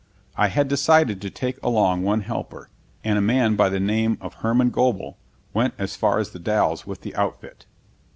I had decided to take along one helper, and a man by the name of Herman Goebel went as far as The Dalles with the outfit.